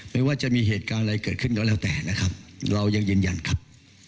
ไม่ว่าจะมีเหตุการณ์อะไรเกิดขึ้นก็แล้วแต่นะครับเรายังยืนยันครับ